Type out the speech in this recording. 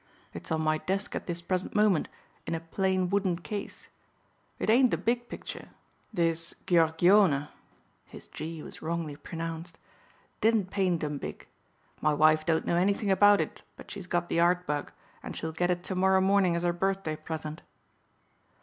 It's on my desk at this present moment in a plain wooden case. It ain't a big picture; this Giorgione" his "G" was wrongly pronounced "didn't paint 'em big. My wife don't know anything about it but she's got the art bug and she'll get it to morrow morning as her birthday present."